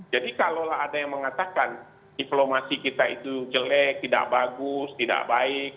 jadi kalaulah ada yang mengatakan informasi kita itu jelek tidak bagus tidak baik